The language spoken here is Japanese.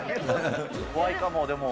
怖いかも、でも。